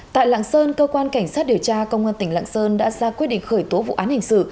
tại lạng sơn cơ quan cảnh sát điều tra công an tỉnh lạng sơn đã ra quyết định khởi tố vụ án hình sự